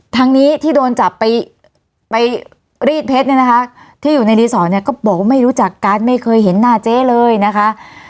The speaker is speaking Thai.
ทางนี้ที่โดนจับไปไปรีดเพชรเนี่ยนะคะที่อยู่ในรีสอร์ทเนี่ยก็บอกว่าไม่รู้จักกันไม่เคยเห็นหน้าเจ๊เลยนะคะ